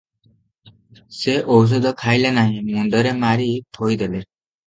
ସେ ଔଷଧ ଖାଇଲେ ନାହିଁ, ମୁଣ୍ତରେ ମାରି ଥୋଇଦେଲେ ।"